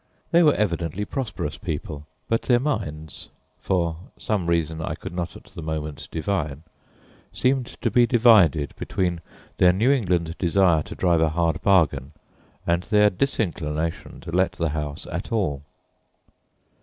They were evidently prosperous people, but their minds for some reason I could not at the moment divine seemed to be divided between their New England desire to drive a hard bargain and their disinclination to let the house at all.